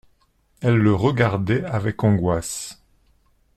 Elle le regardait avec angoisse.